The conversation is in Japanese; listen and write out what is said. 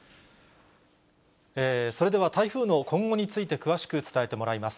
それでは、台風の今後について、詳しく伝えてもらいます。